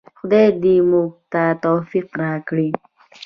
خدای دې موږ ته توفیق راکړي